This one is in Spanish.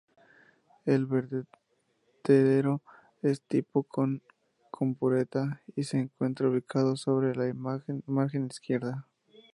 El vertedero es de tipo con compuerta, y se encuentra ubicado sobre margen izquierda.